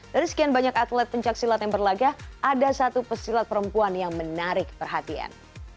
dari sekian banyak atlet pencaksilat yang berlaga ada satu pesilat perempuan yang menarik perhatian